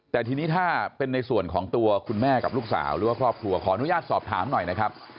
แต่ทีนี้ถ้าเป็นในส่วนของตัวคุณแม่กับลูกสาวหรือว่าครอบครัวขออนุญาตสอบถามหน่อยนะครับ